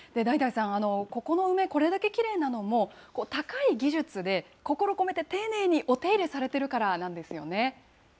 代々さん、ここの梅、これだけきれいなのも高い技術で、心込めて丁寧にお手入れされているからなんですね。